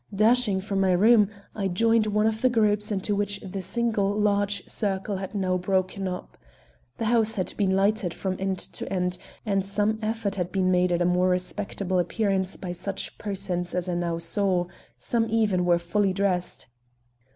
Dashing from my room I joined one of the groups into which the single large circle had now broken up. The house had been lighted from end to end, and some effort had been made at a more respectable appearance by such persons as I now saw; some even were fully dressed.